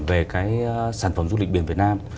về sản phẩm du lịch biển việt nam